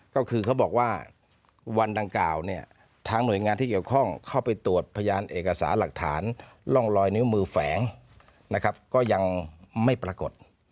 ก็คือเขาบอกว่าวันดังกล่าวเนี่ยทางหน่วยงานที่เกี่ยวข้องเข้าไปตรวจพยานเอกสารหลักฐานร่องรอยนิ้วมือแฝงนะครับก็ยังไม่ปรากฏ